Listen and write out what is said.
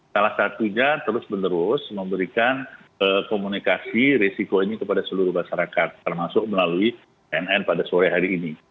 salah satunya terus menerus memberikan komunikasi risiko ini kepada seluruh masyarakat termasuk melalui pnn pada sore hari ini